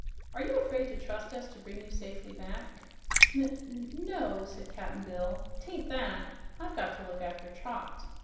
"Are you afraid to trust us to bring you safely back?" "N n no," said Cap'n Bill, "'tain't that. I've got to look after Trot."